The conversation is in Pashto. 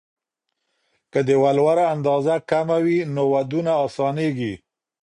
که د ولور اندازه کمه وي، نو ودونه اسانېږي.